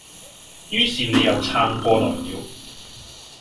於是你又撐過來了